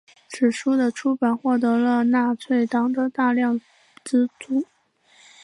此书的出版获得了纳粹党的大量资助。